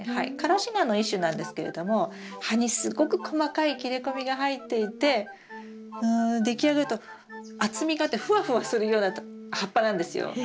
カラシナの一種なんですけれども葉にすっごく細かい切れ込みが入っていてでき上がると厚みがあってふわふわするような葉っぱなんですよ。